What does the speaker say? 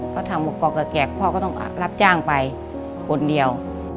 ก็ทำหมกอกแกกพ่อก็ต้องรับจ้างไปคนเดียว